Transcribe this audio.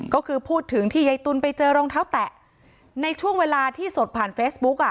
ก็คือพูดถึงที่ยายตุลไปเจอรองเท้าแตะในช่วงเวลาที่สดผ่านเฟซบุ๊กอ่ะ